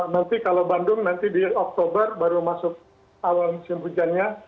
nanti kalau bandung nanti di oktober baru masuk awal musim hujannya